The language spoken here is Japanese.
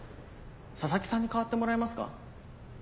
佐々木さんに代わってもらえますか？